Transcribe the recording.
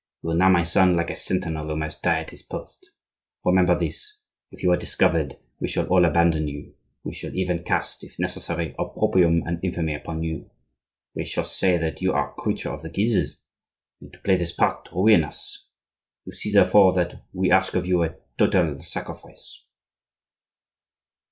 You are now, my son, like a sentinel who must die at his post. Remember this: if you are discovered, we shall all abandon you; we shall even cast, if necessary, opprobrium and infamy upon you. We shall say that you are a creature of the Guises, made to play this part to ruin us. You see therefore that we ask of you a total sacrifice."